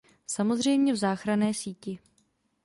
Samozřejmě v záchranné síti.